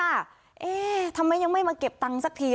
เอ๊ะทำไมยังไม่มาเก็บตังค์สักที